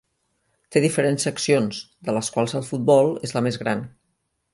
Té diferents seccions, de les quals el futbol és la més gran.